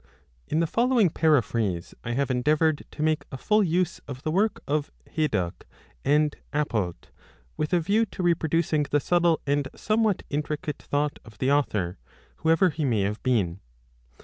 In the following paraphrase, I have endeavoured to make a full use of the work of Hayduck and Apelt, with a view to reproducing the subtle and somewhat intricate thought of the author, whoever he may have been.